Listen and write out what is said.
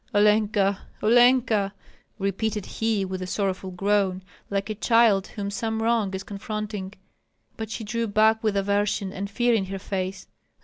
"Olenka! Olenka!" repeated he, with a sorrowful groan, like a child whom some wrong is confronting. But she drew back with aversion and fear in her face.